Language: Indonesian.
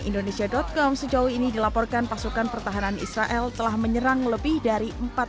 indonesia com sejauh ini dilaporkan pasukan pertahanan israel telah menyerang lebih dari